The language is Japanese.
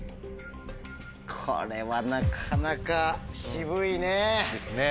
これはなかなか。ですね。